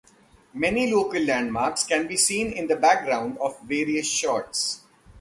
Many local landmarks can be seen in the background of various shots.